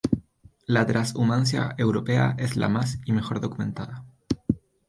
La trashumancia europea es la más y mejor documentada.